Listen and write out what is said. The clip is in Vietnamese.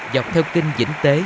dọc theo kinh dĩnh tế